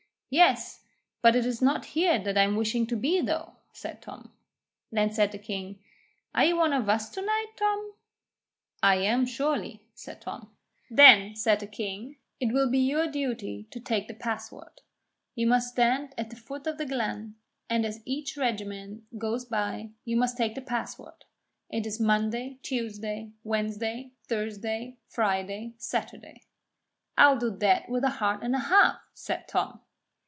'Yes; but it is not here that I'm wishing to be though,' said Tom. Then said the king: 'Are you one of us to night, Tom?' 'I am surely,' said Tom. 'Then,' said the king, 'it will be your duty to take the password. You must stand at the foot of the glen, and as each regiment goes by, you must take the password: it is Monday, Tuesday, Wednesday, Thursday, Friday, Saturday.' 'I'll do that with a heart and a half,' said Tom.